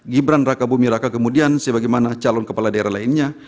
gibran raka bumi raka kemudian sebagaimana calon kepala daerah lainnya